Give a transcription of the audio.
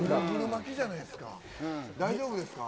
大丈夫ですか？